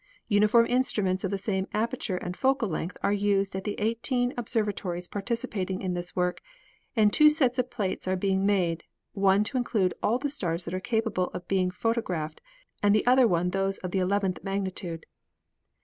Uniform instruments of the same aperture and focal length are used at the eighteen observatories participating in this work and two sets of plates are being made, one to include all the stars that are capable of be ing photographed and the other one those of the eleventh magnitude.